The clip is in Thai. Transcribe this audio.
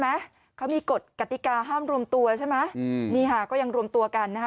ไหมเขามีกฎกติกาห้ามรวมตัวใช่ไหมอืมนี่ค่ะก็ยังรวมตัวกันนะคะ